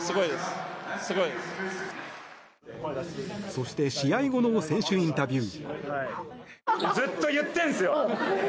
そして試合後の選手インタビュー。